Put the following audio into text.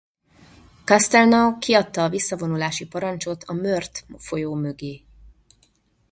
Castelnau kiadta a visszavonulási parancsot a Meurthe folyó mögé.